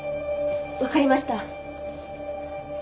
わかりました。